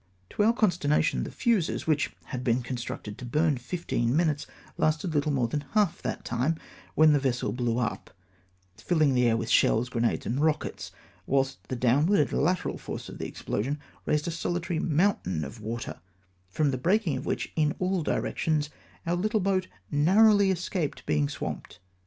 To our consternation, the fuses, which had been con structed to burn fifteen minutes, lasted httle more than half that time, when the vessel blew up, filhng the air with shells, grenades, and rockets ; whilst the downward and lateral force of the explosion raised a sohtary moun tain of water, from the breaking of which in all directions our httle boat narrowly escaped being swamped.